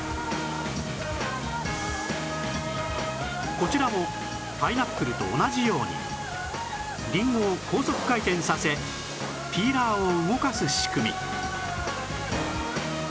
こちらもパイナップルと同じようにりんごを高速回転させピーラーを動かす仕組み